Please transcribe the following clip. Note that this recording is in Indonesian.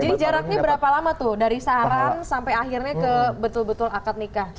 jadi jaraknya berapa lama tuh dari saran sampai akhirnya ke betul betul akad nikah